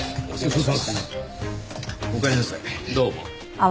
どうも。